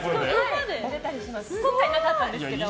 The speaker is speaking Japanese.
今回はなかったんですけど。